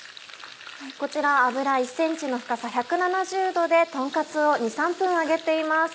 こちら油１ｃｍの深さ１７０度でとんカツを２３分揚げています。